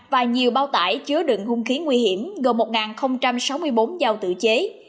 và nhiều bao tải chứa đựng hung khí nguy hiểm gồm một sáu mươi bốn giao tự chế